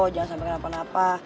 jangan sampaikan apa apa